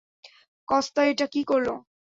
Costa এটা কি করলো!